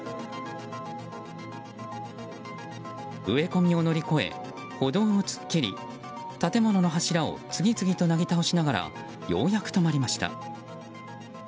植え込みを乗り越え歩道を突っ切り建物の柱を次々となぎ倒しながらようやく止まりました。